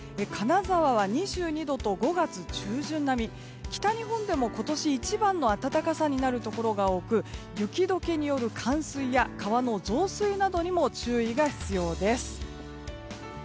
金沢や２２度と５月の初旬並みと北日本でも今年一番の暖かさになるところが多く雪解けによる冠水や川の増水などにも注意が必要です。